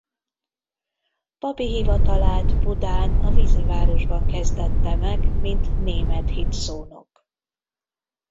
Papi hivatalát Budán a Vízivárosban kezdette meg mint német hitszónok.